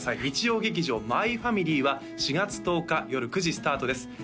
日曜劇場「マイファミリー」は４月１０日夜９時スタートです